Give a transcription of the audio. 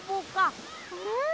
うん。